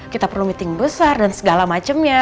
kita perlu meeting besar dan segala macamnya